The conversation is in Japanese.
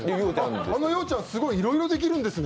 あの洋ちゃん、すごい、いろいろできるんですね。